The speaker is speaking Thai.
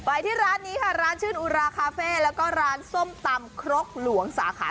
ไปที่ร้านนี้ค่ะร้านชื่นอุราคาเฟ่แล้วก็ร้านส้มตำครกหลวงสาขา